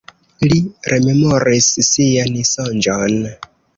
Li rememoris sian sonĝon.